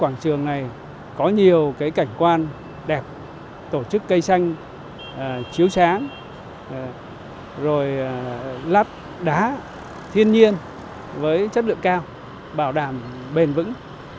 quảng trường này có nhiều cảnh quan đẹp tổ chức cây xanh chiếu sáng rồi lắp đá thiên nhiên với chất lượng cao bảo đảm bền vững